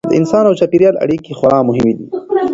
د انسان او چاپیریال اړیکې خورا مهمې دي.